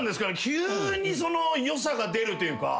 急によさが出るというか。